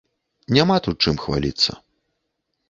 Няма тут чым хваліцца.